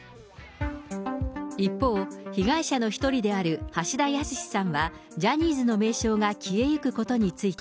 一方、被害者の１人である橋田康さんは、ジャニーズの名称が消えゆくことについて。